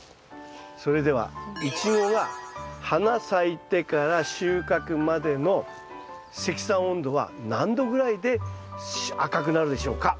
それではイチゴが花咲いてから収穫までの積算温度は何度ぐらいで赤くなるでしょうか？